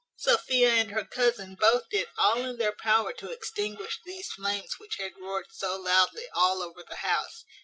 Sophia and her cousin both did all in their power to extinguish these flames which had roared so loudly all over the house.